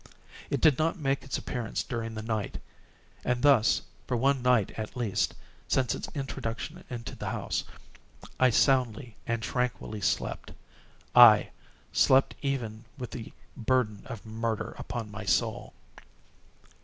It did not make its appearance during the night; and thus for one night at least, since its introduction into the house, I soundly and tranquilly slept; aye, slept even with the burden of murder upon my soul!